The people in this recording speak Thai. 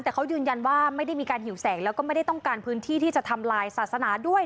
แต่เขายืนยันว่าไม่ได้มีการหิวแสงแล้วก็ไม่ได้ต้องการพื้นที่ที่จะทำลายศาสนาด้วย